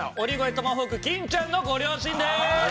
トマホーク金ちゃんのご両親です。